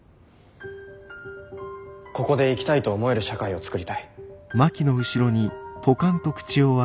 ここで生きたいと思える社会を創りたい。